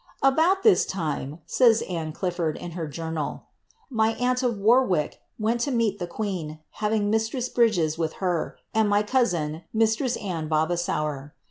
^ About this time,^' says Anne Cliflbrd, in her journal, ^ my aunt of Warwick went to meet the queen, having Mistress Bridges with her, and my cousin, Mistress Anne Vavasour.